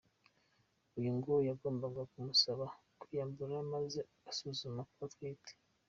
Uyu ngo yagombaga kumusaba kwiyambura maze agasuzuma ko atwite.